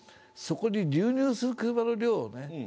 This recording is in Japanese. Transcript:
そこに流入する車の量をね